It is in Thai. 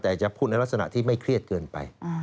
แต่จะพูดในลักษณะที่ไม่เครียดเกินไป